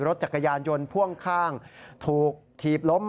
รถจักรยานยนต์พ่วงข้างถูกถีบล้ม